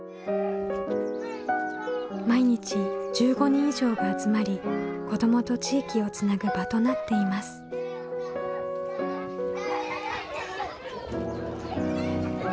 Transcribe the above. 毎日１５人以上が集まり子どもと地域をつなぐ場となっています。